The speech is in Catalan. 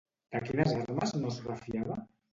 De quines armes no es refiava?